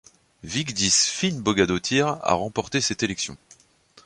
Vigdís Finnbogadóttir a remporté cette élection.